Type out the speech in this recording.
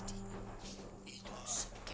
iya ibu diliat sendiri